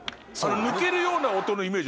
抜けるような音のイメージあるの。